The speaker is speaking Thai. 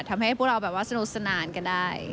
ทำให้พวกเราสนุกสนานกันได้